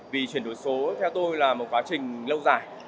vì chuyển đổi số theo tôi là một quá trình lâu dài